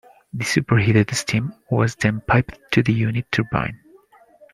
The superheated steam was then piped to the unit turbine.